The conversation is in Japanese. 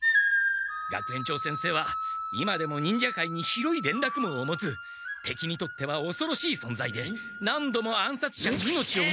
学園長先生は今でも忍者界に広いれんらくもうを持つ敵にとってはおそろしいそんざいで何度も暗殺者に命をねらわれ。